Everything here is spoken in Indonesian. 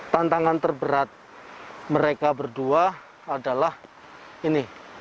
tantangan terberat mereka berdua adalah ini